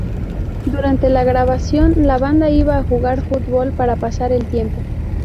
Durante la grabación, la banda iba a jugar fútbol para pasar el tiempo.